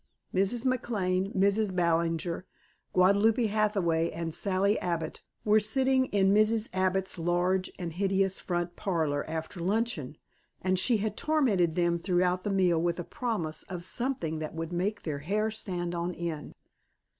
Mrs. McLane, Mrs. Ballinger, Guadalupe Hathaway and Sally Abbott were sitting in Mrs. Abbott's large and hideous front parlor after luncheon, and she had tormented them throughout the meal with a promise of "something that would make their hair stand on end."